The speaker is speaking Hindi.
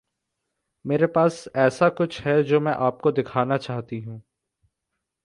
मेरे पास ऐसा कुछ है जो मैं आपको दिखाना चाहती हूँ।